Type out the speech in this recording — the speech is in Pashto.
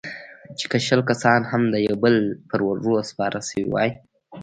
چې که شل کسان هم يو د بل پر اوږو سپاره سوي واى.